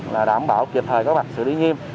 là đảm bảo kịp thời có mặt xử lý nghiêm